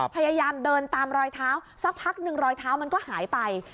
พยายามเดินตามรอยเท้าสักพักหนึ่งรอยเท้ามันก็หายไป